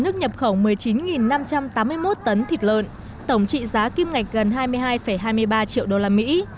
nước nhập khẩu một mươi chín năm trăm tám mươi một tấn thịt lợn tổng trị giá kim ngạch gần hai mươi hai hai mươi ba triệu đô la mỹ